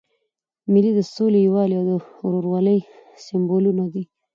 مېلې د سولي، یووالي او ورورولۍ سېمبولونه دي.